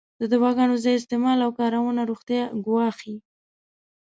د دواګانو زیات استعمال او کارونه روغتیا ګواښی.